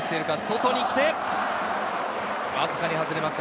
外に来て、わずかに外れました。